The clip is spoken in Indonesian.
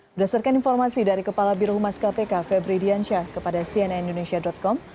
berdasarkan informasi dari kepala biru mas kpk febri diansyah kepada cnindonesia com